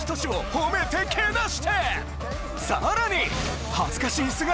さらに！